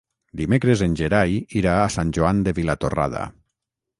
Dimecres en Gerai irà a Sant Joan de Vilatorrada.